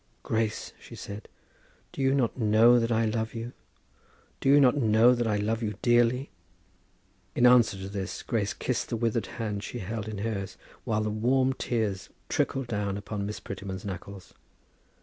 "Grace," she said, "do you not know that I love you? Do you not know that I love you dearly?" In answer to this, Grace kissed the withered hand she held in hers, while the warm tears trickled down upon Miss Prettyman's knuckles.